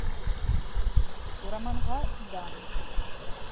Сураманға дан!